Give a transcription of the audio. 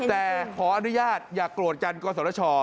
แต่ขออนุญาตอย่ากรวดจันกว่าสวรรค์ชอ